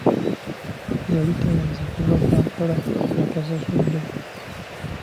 Yali tayinza kuva Kampala nga tasasudde.